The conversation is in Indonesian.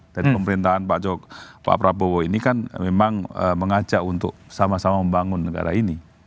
dan pemerintahan pak prabowo ini kan memang mengajak untuk sama sama membangun negara ini